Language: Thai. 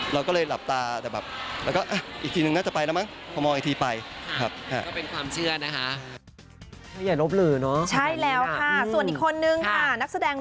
เราก็เลยหลับตาแต่แบบแล้วก็อีกทีหนึ่งน่าจะไปแล้วมั้ง